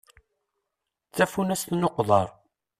D tafunast n uqḍar.